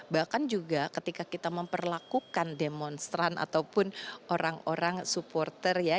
bahkan juga ketika kita memperlakukan demonstran ataupun orang orang supporter ya